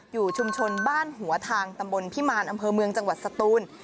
อยู่ชุมชนบ้านหัวทางตำบลพิมารอำเภอเมืองจังหวัดสตูน